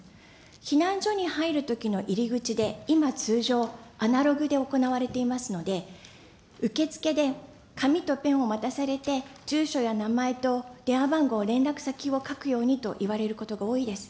避難所に入るときの入り口で、今、通常、アナログで行われていますので、受付で紙とペンを渡されて、住所や名前と電話番号、連絡先を書くようにと言われることが多いです。